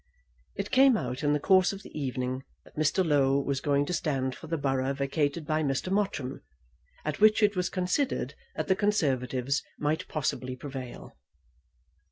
It came out in the course of the evening that Mr. Low was going to stand for the borough vacated by Mr. Mottram, at which it was considered that the Conservatives might possibly prevail.